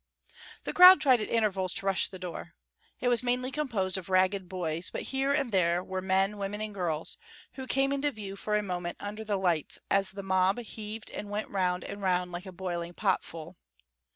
The crowd tried at intervals to rush the door. It was mainly composed of ragged boys, but here and there were men, women, and girls, who came into view for a moment under the lights as the mob heaved and went round and round like a boiling potful.